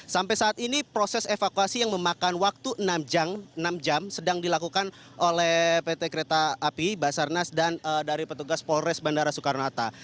sampai saat ini proses evakuasi yang memakan waktu enam jam sedang dilakukan oleh pt kereta api basarnas dan dari petugas polres bandara soekarno hatta